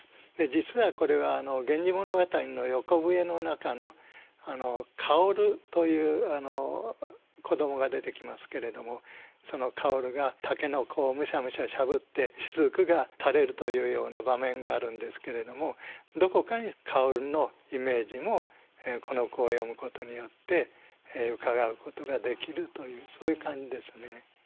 実はこれは「源氏物語」の「横笛」の中の薫という子どもが出てきますけれどもその薫が竹の子をむしゃむしゃしゃぶって滴がたれるというような場面があるんですけれどもどこかに薫のイメージもこの句を読むことによってうかがうことができるというそういう感じですね。